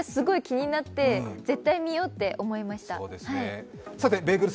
だから私はすごい気になって絶対見ようって思いました。